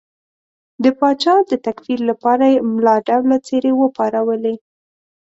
د پاچا د تکفیر لپاره یې ملا ډوله څېرې وپارولې.